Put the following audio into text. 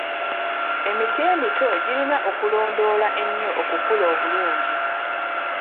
Emiti emito girina okulondoola ennyo okukula obulungi.